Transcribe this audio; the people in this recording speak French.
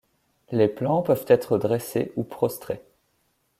Les plants peuvent être dressés ou prostrés.